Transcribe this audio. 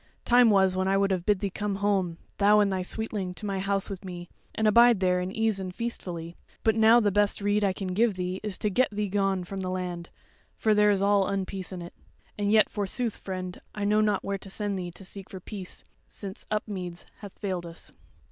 time was when I would have bid thee come home, thou and thy sweetling, to my house with me, and abide there in ease and feastfully; but now the best rede I can give thee is to get thee gone from the land, for there is all unpeace in it. And yet, forsooth, friend, I know not where to send thee to seek for peace, since Upmeads hath failed us."